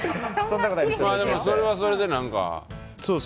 それはそれで、何か。